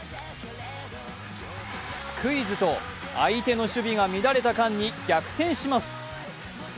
スクイズと相手の守備が乱れた間に逆転します。